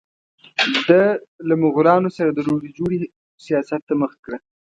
ده له مغولانو سره د روغې جوړې سیاست ته مخه کړه.